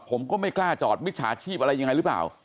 ผมก็ไม่กล้าจอดมิจฉาชีพอะไรยังไงหรือเปล่า